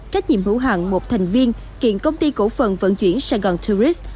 trách nhiệm hữu hạng một thành viên kiện công ty cổ phần vận chuyển sài gòn tourist